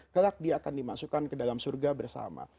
kelak dia akan dimasukkan ke dalam surga bersama